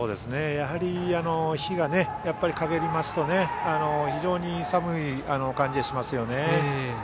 やはり、日がかげりますと非常に寒い感じがしますよね。